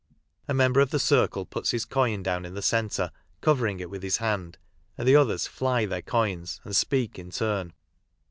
.V member of the circle puts his coin down in the centre, covering it with his hand, and the others " fly " their coins and "speak " in turn.